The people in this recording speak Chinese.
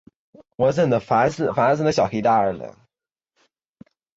目前正在爆发的兹卡病毒疫情引发运动员和游客的担忧。